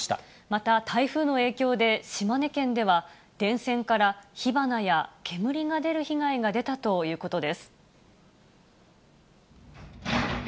また、台風の影響で、島根県では電線から火花や煙が出る被害が出たということです。